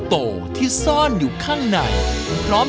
สวัสดีค่ะของพี่ผ้ากุ้งนะคะ